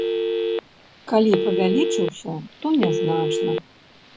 Калі павялічыўся, то нязначна.